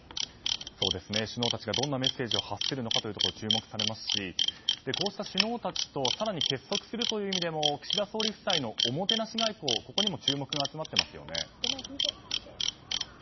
首脳たちがどんなメッセージを発するのか注目されますしこうした首脳たちと更に結束するという意味でも岸田総理夫妻のおもてなし外交ここにも注目が集まっていますね。